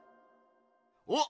おっ！